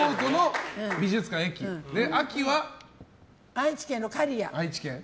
愛知県の刈谷。